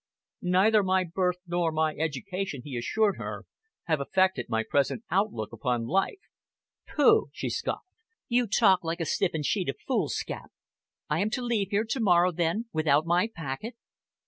"Neither my birth nor my education," he assured her, "have affected my present outlook upon life." "Pooh!" she scoffed. "You talk like a stiffened sheet of foolscap! I am to leave here to morrow, then, without my packet?"